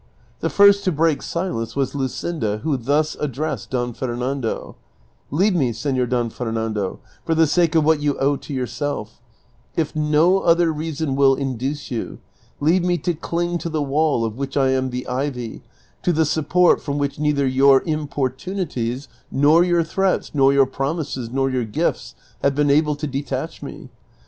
The first to break silenc.e was Luscinda, who thus addressed Don Fernando :" Leave me, Senor Don Fernando, for the sake of what you owe to yourself ; if no other reason will induce you, leave me to cling to the wall of which I am the ivy, to the support from which neither your importunities, nor your threats, nor yoiir prom ises, nor your gifts have been able to detach me.